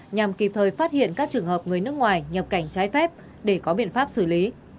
nhằm kịp thời phát hiện các trường hợp người nước ngoài nhập cảnh trái phép để có biện pháp xử lý